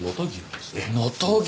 能登牛。